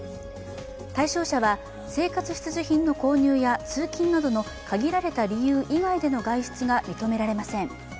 対象者は生活必需品の購入や通勤などの限られた理由以外での外出が認められません。